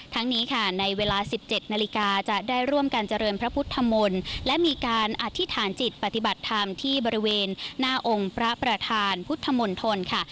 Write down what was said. นี้ค่ะในเวลา๑๗นาฬิกาจะได้ร่วมกันเจริญพระพุทธมนตร์และมีการอธิษฐานจิตปฏิบัติธรรมที่บริเวณหน้าองค์พระประธานพุทธมณฑลค่ะ